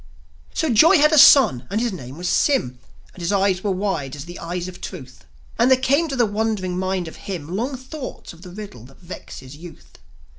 So Joi had a son, and his name was Sym; And his eyes were wide as the eyes of Truth; And there came to the wondering mind of him Long thoughts of the riddle that vexes youth.